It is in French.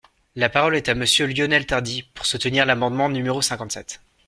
La parole est à Monsieur Lionel Tardy, pour soutenir l’amendement numéro cinquante-sept.